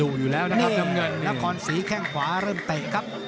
มันคอนศรีแข้งขวาเริ่มเตะครับ